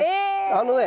あのね